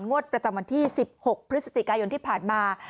งวดประจำวันที่๑๖พฤศจิกายนที่ผ่านมา